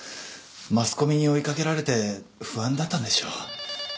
マスコミに追い掛けられて不安だったんでしょう。